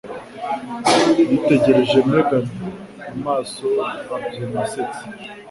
Yitegereje Megan, amaso abyina asetsa.